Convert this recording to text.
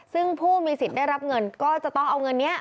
ซึ่งผู้มีสิทธิ์ได้รับเงินก็จะต้องเอาเงินนี้